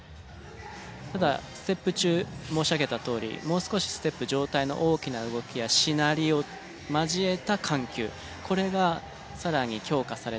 ただステップ中申し上げたとおりもう少しステップ上体の大きな動きやしなりを交えた緩急これが更に強化されてくれば。